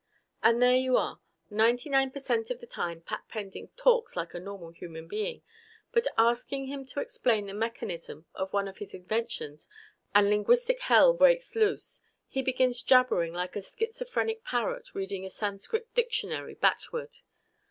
And there you are! Ninety nine percent of the time Pat Pending talks like a normal human being. But ask him to explain the mechanism of one of his inventions and linguistic hell breaks loose. He begins jabbering like a schizophrenic parrot reading a Sanskrit dictionary backward!